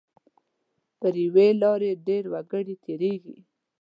پر یوې لارې ډېر وګړي تېریږي.